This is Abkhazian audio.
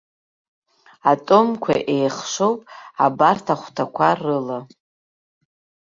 Атомқәа еихшоуп абарҭ ахәҭақәа рыла.